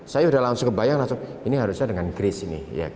saya sudah langsung kebayang langsung ini harusnya dengan grace ini